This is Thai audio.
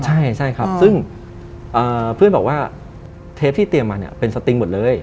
ใช่ครับซึ่งเพื่อนบอกว่าเทปที่เตรียมมาเนี่ยเป็นสติงหมดเลย